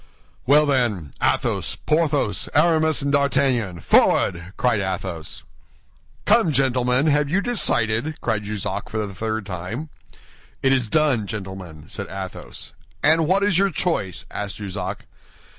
"Well, then, Athos, Porthos, Aramis, and D'Artagnan, forward!" cried Athos. "Come, gentlemen, have you decided?" cried Jussac for the third time. "It is done, gentlemen," said Athos. "And what is your choice?" asked Jussac.